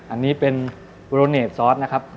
อันนี้เป็นโปรเนตซอสนะครับ